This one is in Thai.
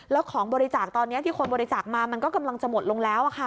แล้วของบริจาคตอนนี้ที่คนบริจาคมามันก็กำลังจะหมดลงแล้ว